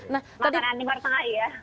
makanan timur tengah iya